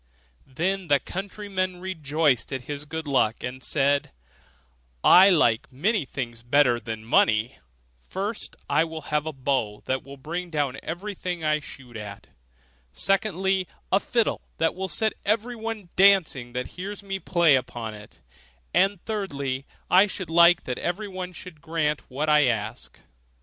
Then the countryman rejoiced at his good luck, and said, 'I like many things better than money: first, I will have a bow that will bring down everything I shoot at; secondly, a fiddle that will set everyone dancing that hears me play upon it; and thirdly, I should like that everyone should grant what I ask.